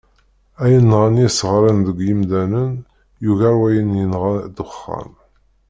Ayen nɣan yisɣanen deg yimdanen yugar wayen yenɣa ddexxan.